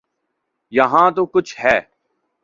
یہاں تو کچھ ہے۔